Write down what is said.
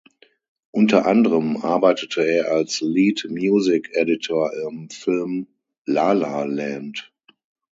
Unter anderem arbeitete er als Lead Music Editor am Film "La La Land".